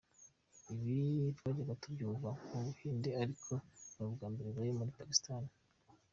Ibi twajyaga tubyumva mu buhinde ariko ni ubwambere bibaye muri Pakistan.